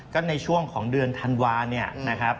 ว่าในช่วงของเดือนธันวาคม